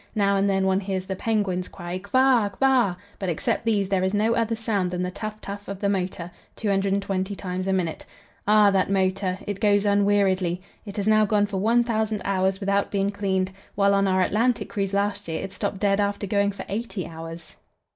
Now and then one hears the penguins' cry, kva, kva, but except these there is no other sound than the tuff, tuff of the motor, 220 times a minute. Ah, that motor! it goes unweariedly. It has now gone for 1,000 hours without being cleaned, while on our Atlantic cruise last year it stopped dead after going for eighty hours.